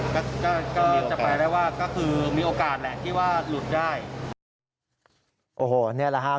ก็ก็ก็จะไปได้ว่าก็คือมีโอกาสแหละที่ว่าหลุดได้โอ้โหนี่แหละฮะ